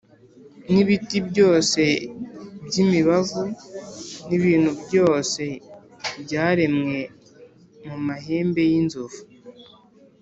n’ibiti byose by’imibavu n’ibintu byose byaremwe mu mahembe y’inzovu,